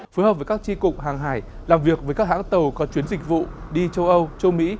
phối hợp với các tri cục hàng hải làm việc với các hãng tàu có chuyến dịch vụ đi châu âu châu mỹ